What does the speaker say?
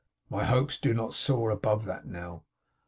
My hopes do not soar above that, now.